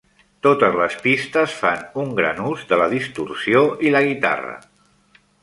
Totes les pistes fan un gran ús de la distorsió i la guitarra.